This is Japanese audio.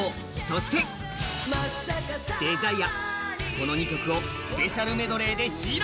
この２曲をスペシャルメドレーで披露。